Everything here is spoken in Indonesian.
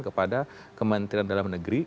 kepada kementerian dalam negeri